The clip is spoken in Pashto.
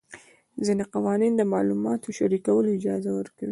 ځینې قوانین د معلوماتو شریکولو اجازه ورکوي.